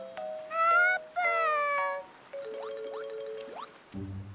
あーぷん？